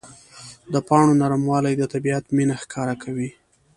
د پاڼو نرموالی د طبیعت مینه ښکاره کوي.